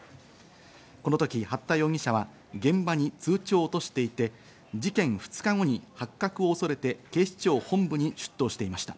この時、八田容疑者は現場に通帳を落としていて、事件２日後に発覚を恐れて警視庁本部に出頭していました。